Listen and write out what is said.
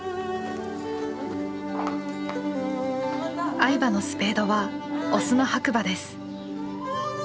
愛馬のスペードは雄の白馬です。